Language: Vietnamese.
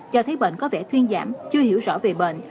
cho thấy bệnh có vẻ thuyên giảm chưa hiểu rõ về bệnh